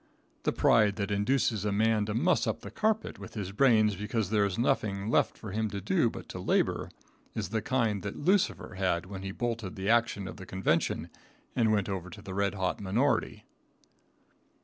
The pride that induces a man to muss up the carpet with his brains because there is nothing left for him to do but to labor, is the kind that Lucifer had when he bolted the action of the convention and went over to the red hot minority.